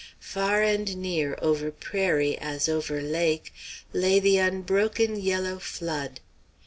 Far and near, over prairie as over lake, lay the unbroken yellow flood.